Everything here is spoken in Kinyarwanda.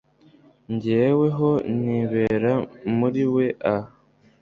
njyewe ho nibera muri we ah